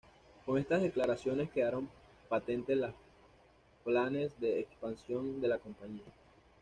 Con estas declaraciones quedaron patentes los planes de expansión de la compañía.